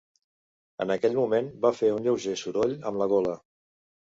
En aquell moment, va fer un lleuger soroll amb la gola.